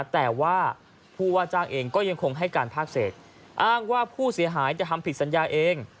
แต่ว่าผู้ว่าจ้างเองก็ยังคงให้การภาคเศษอ้างว่าผู้เสียหายจะทำผิดสัญญาเอง